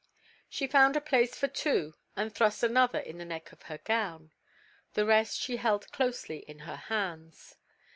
She found a place for two and thrust another in the neck of her gown. The rest she held closely in her hands.